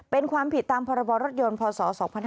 เป็นความผิดตามพรรยพศ๒๕๒๒